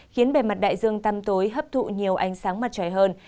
khiến bề mặt đại dương tăm tối hấp thụ nhiều ánh sáng mặt trời hơn